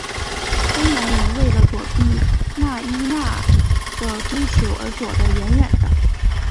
芬兰人为了躲避纳伊娜的追求而躲得远远的。